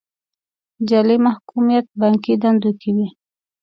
جعلي محکوميت بانکي دندو کې وي.